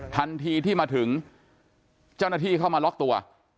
ทันทีที่มาถึงเจ้าหน้าที่เข้ามาล็อกตัว